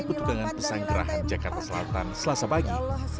ketudangan pesan gerahan jakarta selatan selasa pagi